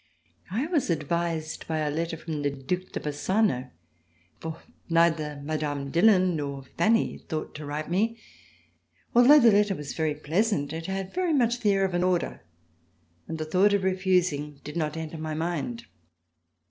I was advised by a letter from the Due de Bassano, for neither Mme. Dillon nor Fanny thought to write me. Although the letter was very pleasant, it had very much the air of an order, and the thought of refusing did not enter my mind.